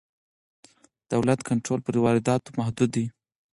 د دولت کنټرول پر وارداتو محدود دی.